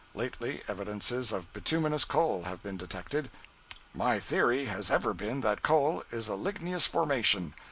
Lately evidences of bituminous coal have been detected. My theory has ever been that coal is a ligneous formation.